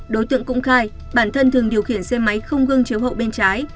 đối tượng cũng khai bản thân thường điều khiển xe máy không gương chiếu hậu bên trái